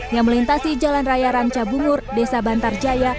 yang melintasi jalan raya ranca bungur desa bantar jaya